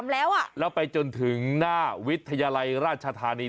แล้วไปจนถึงหน้าวิทยาลัยราชธานี